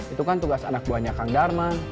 itu kan tugas anak buahnya kang darman